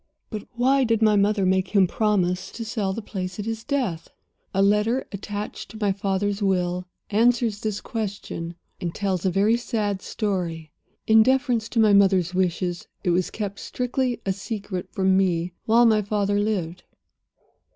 "But why did my mother make him promise to sell the place at his death? "A letter, attached to my father's will, answers this question, and tells a very sad story. In deference to my mother's wishes it was kept strictly a secret from me while my father lived.